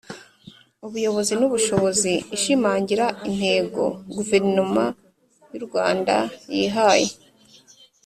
Ubuyobozi n Ubushobozi ishimangira intego Guverinoma y u Rwanda yihaye